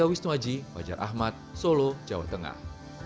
wajar ahmad solo jawa tengah